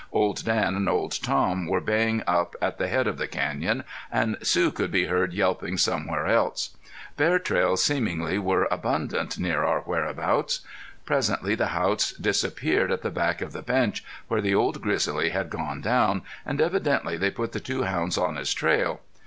Old Dan and old Tom were baying up at the head of the canyon, and Sue could be heard yelping somewhere else. Bear trails seemingly were abundant near our whereabouts. Presently the Haughts disappeared at the back of the bench where the old grizzly had gone down, and evidently they put the two hounds on his trail.